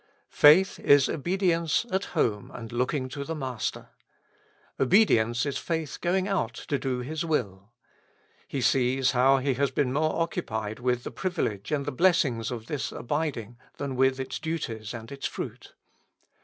Faith is obedience at home and looking to the Master. Obedience is faith going out to do His will. He sees how he has been more occupied with the privilege and the blessings of this abiding than with its duties and its fruit.